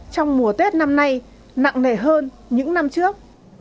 trong mùa tết năm nay nặng nề hơn những năm trước